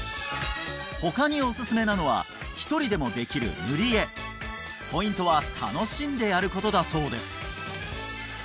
他におすすめなのは１人でもできる塗り絵ポイントは楽しんでやることだそうです